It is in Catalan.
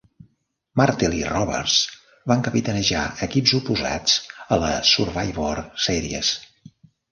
Martel i Roberts van capitanejar equips oposats a la Survivor Series.